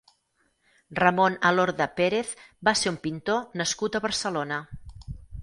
Ramon Alorda Pérez va ser un pintor nascut a Barcelona.